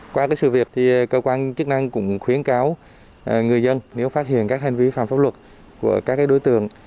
qua sự việc cơ quan chức năng cũng khuyến cáo người dân nếu phát hiện các hành vi phạm pháp luật của các đối tượng